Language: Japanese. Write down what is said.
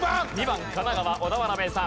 ２番神奈川小田原名産。